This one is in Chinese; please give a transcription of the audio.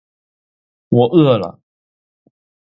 我饿了